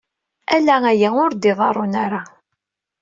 Ala aya ur d-iḍerrun ara.